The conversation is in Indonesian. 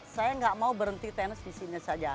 saya nggak mau berhenti tenis di sini saja